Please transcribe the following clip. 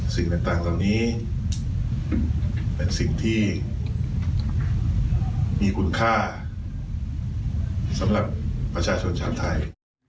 สิ่งต่างเหล่านี้เป็นสิ่งที่มีคุณค่าสำหรับประชาชนชาวไทย